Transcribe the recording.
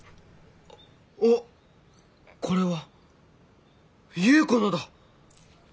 あっこれは⁉夕子のだ！